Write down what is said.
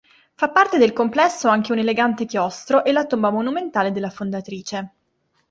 Fa parte del complesso anche un elegante chiostro e la tomba monumentale della fondatrice.